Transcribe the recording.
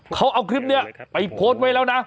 เขาเอาคลิปนี้ไปโพสต์ไว้แล้วนะ